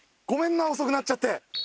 ごめんな遅くなっちゃって。